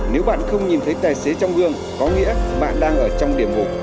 nếu bạn không nhìn thấy tài xế trong gương có nghĩa bạn đang ở trong điểm ngủ